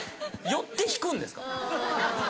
寄って引くんですか？